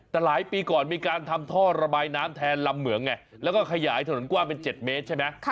แต่หลายปีก่อนมีการทำท่อระบายน้ำแทนลำเหมืองไงแล้วก็ขยายถนนกว้างเป็น๗เมตรใช่ไหม